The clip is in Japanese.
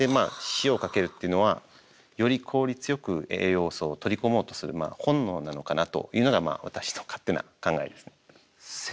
塩をかけるっていうのはより効率よく栄養素を取り込もうとする本能なのかなというのが私の勝手な考えですね。